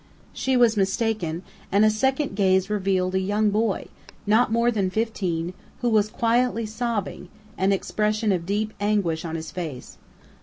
She was mistaken, and a second gaze revealed a young boy, not more than fifteen, who was quietly sobbing, an expression of deep anguish on his face.